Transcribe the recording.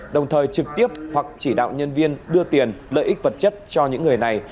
đồng thời trực tiếp hoặc chỉ đạo nhân viên đưa tiền lợi ích vật chất cho những người này